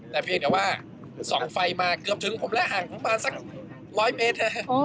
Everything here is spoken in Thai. แต่เพียงสองไฟมาเกือบถึงหมู่และห่างมาสัก๑๐๐เมตร